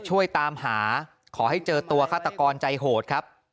ช่วยตามหาขอให้เจอตัวฆาตกรใจโหดครับ